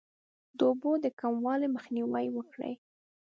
د اوبو د کموالي مخنیوی وکړئ.